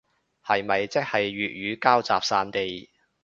係咪即係粵語膠集散地